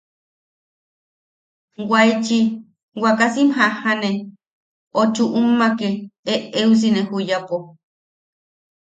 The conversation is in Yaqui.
Waechi wakasim jajane, o chuʼummake eʼeusine juyapo.